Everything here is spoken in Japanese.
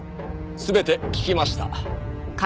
全て聞きました。